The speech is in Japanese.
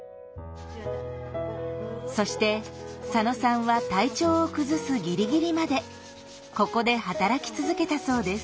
そして佐野さんは体調を崩すギリギリまでここで働き続けたそうです。